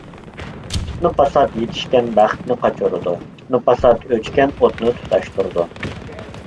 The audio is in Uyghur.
پىتنە-پاسات يېتىشكەن بەختنى قاچۇرىدۇ. پىتنە-پاسات ئۆچكەن ئوتنى تۇتاشتۇرىدۇ.